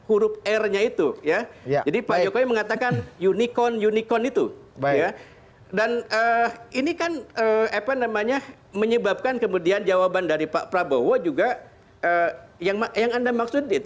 ini pertanyaan yang menurut saya juga itu menurut saya juga itu menyebabkan kemudian jawaban dari pak prabowo juga yang anda maksud itu